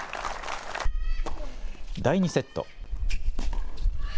第２セット。